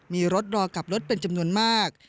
มีรถรอกลับรถเป็นจำนวนมาก